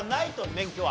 免許は。